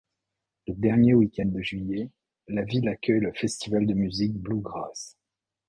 Le dernier week-end de juillet, la ville accueille le festival de musique Bluegrass.